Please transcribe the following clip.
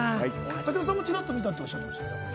武田さんもちらっと見たとおっしゃってましたね。